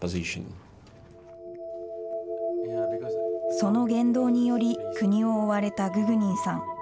その言動により、国を追われたググニンさん。